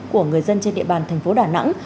của người dân trên địa bàn thành phố đà nẵng